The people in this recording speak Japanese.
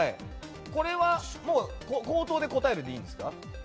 これは口頭で答えるのでいいんですか？